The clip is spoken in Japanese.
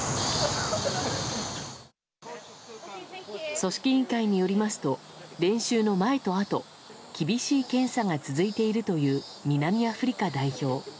組織委員会によりますと練習の前とあと厳しい検査が続いているという南アフリカ代表。